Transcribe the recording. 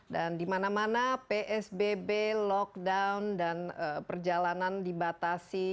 dan di mana mana psbb lockdown dan perjalanan di batas